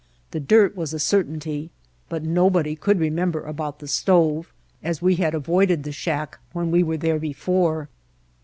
The dirt was a certainty, but nobody could remem ber about the stove, as we had avoided the shack when we were there before.